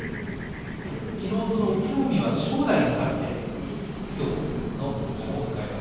きのう、その隠岐の海は正代に勝ってきょうを迎えます。